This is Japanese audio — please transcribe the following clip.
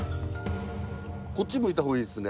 こっち向いた方がいいですね。